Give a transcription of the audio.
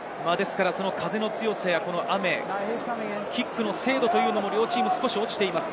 風の強さや雨、キックの精度というのも両チーム少し落ちています。